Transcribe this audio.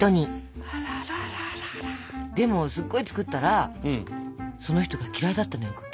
でもすっごい作ったらその人が嫌いだったのよ